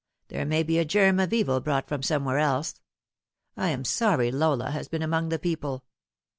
There may be a germ of evil brought from somewhere else. I am sorry Lola has been among the people."